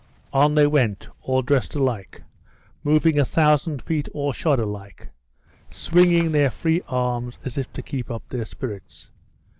On they went, all dressed alike, moving a thousand feet all shod alike, swinging their free arms as if to keep up their spirits.